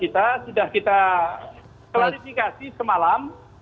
di kita sudah kita klasifikasi semalam